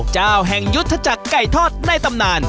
เจ้าแห่งยุทธจักรไก่ทอดในตำนาน